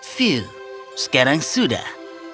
fiu sekarang sudah